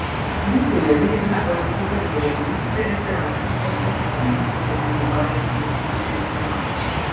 Mi tuj aliĝis al Vikipedio lerninte Esperanton kaj perfektigis mian lingvaĵon vikipediumante.